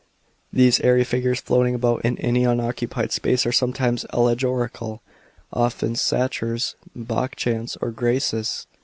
These airy figures floating about in any unoccupied space are sometimes allegorical, often Satyrs, Bacchants, or Graces.